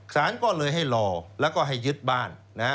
สารก็เลยให้รอแล้วก็ให้ยึดบ้าน